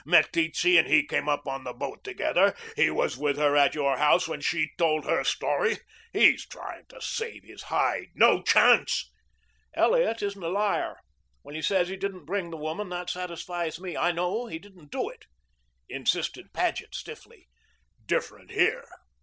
Meteetse and he came up on the boat together. He was with her at your house when she told her story. He's trying to save his hide. No chance." "Elliot isn't a liar. When he says he didn't bring the woman, that satisfies me. I know he didn't do it," insisted Paget stiffly. "Different here.